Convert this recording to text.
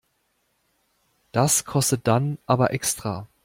Das kostet dann aber extra.